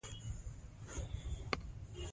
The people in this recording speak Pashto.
که خپل تحريري ادب ته وګورو